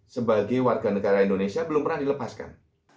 sebagai warganegara indonesia belum pernah dilepaskan